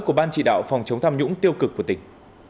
của ban chỉ đạo phòng chống tham nhũng tiêu cực của tỉnh